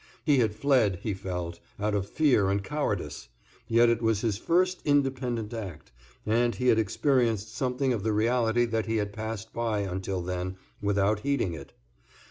He had fled, he felt, out of fear and cowardice, yet it was his first independent act, and he had experienced something of the reality that he had passed by, until then, without heeding it.